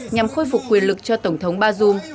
nhằm khôi phục quyền lực cho tổng thống bazoum